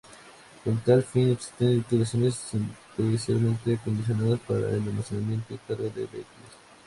Con tal fin existen instalaciones especialmente acondicionadas para el almacenamiento y carga de vehículos.